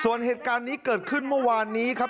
ส่วนเหตุการณ์นี้เกิดขึ้นเมื่อวานนี้ครับ